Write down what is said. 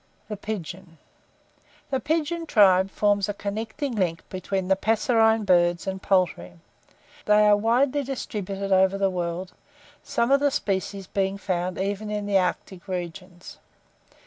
THE PIGEON The pigeon tribe forms a connecting ling between the passerine birds and poultry. They are widely distributed over the world, some of the species being found even in the arctic regions.